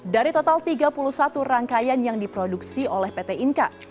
dari total tiga puluh satu rangkaian yang diproduksi oleh pt inka